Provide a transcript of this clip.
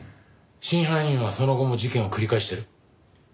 真犯人はその後も事件を繰り返してる。